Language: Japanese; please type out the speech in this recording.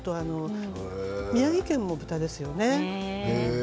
宮城県も豚ですよね。